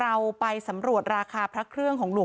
เพราะทนายอันนันชายเดชาบอกว่าจะเป็นการเอาคืนยังไง